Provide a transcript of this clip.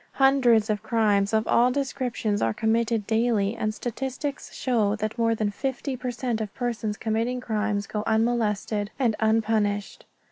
Hundreds of crimes of all descriptions are committed daily and statistics show that more than fifty per cent of persons committing crimes go unmolested and unpunished.